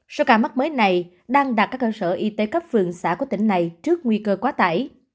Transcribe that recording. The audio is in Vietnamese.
số ca mắc mới này đang đặt các cơ sở y tế cấp phường xã của tỉnh này trước nguy cơ quá tải